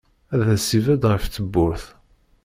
Ad as-ibedd ɣef tewwurt.